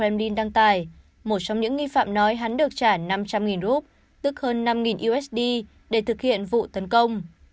một trong những nghi phạm nói hắn được trả năm trăm linh rub tức hơn năm usd để thực hiện vụ tấn công